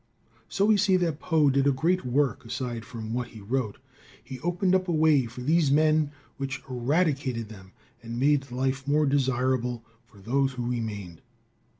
So we see that Poe did a great work aside from what he wrote. He opened up a way for these men which eradicated them, and made life more desirable for those who remained.